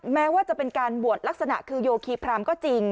แม้ว่าจะเป็นการบวชลักษณะคือโยคีพรามก็จริง